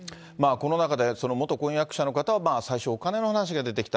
この中で、元婚約者の方は、最初お金の話が出てきた。